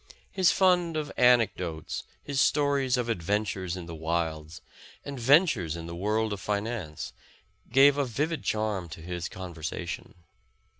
His fund of anecdotes, his stories of ad ventures in the wilds, and ventures in the world of finance, gave a vivid charm to his conversation.